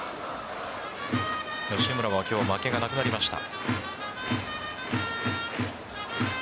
吉村は今日負けがなくなりました。